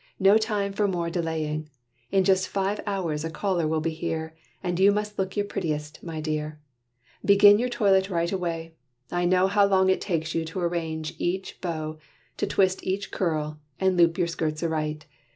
no time for more delaying! In just five hours a caller will be here, And you must look your prettiest, my dear! Begin your toilet right away. I know How long it takes you to arrange each bow To twist each curl, and loop your skirts aright.